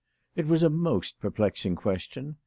It was a most perplexing question.